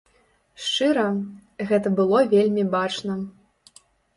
Шчыра, гэта было вельмі бачна.